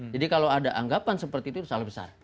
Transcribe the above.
jadi kalau ada anggapan seperti itu itu salah besar